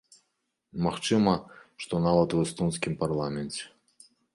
Магчыма, што нават у эстонскім парламенце.